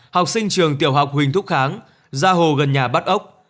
học sinh trường tiểu học huỳnh thúc kháng ra hồ gần nhà bắt ốc